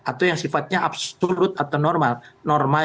atau yang sifatnya absurd atau normal